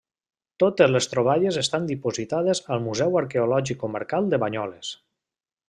Totes les troballes estan dipositades al Museu Arqueològic Comarcal de Banyoles.